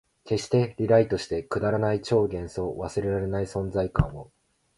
消して、リライトして、くだらない超幻想、忘れらない存在感を